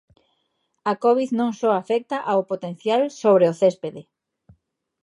A covid non só afecta ao potencial sobre o céspede.